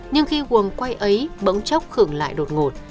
nhưng khi quần quay ấy bỗng chốc khửng lại đột ngột